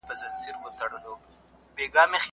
سیاست په دولت پورې تړلی وو.